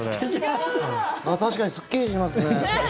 確かにすっきりしますね。